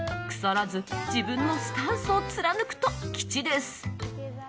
腐らず、自分のスタンスを貫くと吉です。